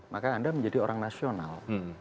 maka anda menjadi orang nasional